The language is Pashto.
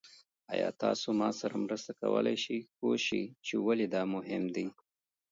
ایا تاسو ما سره مرسته کولی شئ پوه شئ چې ولې دا مهم دی؟